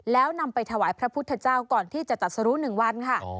แล้วนำไปถวายพระพุทธเจ้าก่อนที่จะตัดสรุ๑วันค่ะ